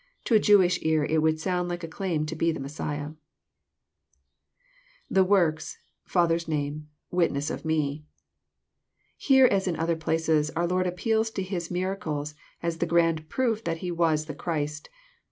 To a Jewish ear it would sound like a claim to be the Messiah. [^The tDork8...F€U7^er'8 nafne,.,.wUne88 of me.] Here, as in other places, our Lord appeals to His miracles as the grand proof that He was the Christ.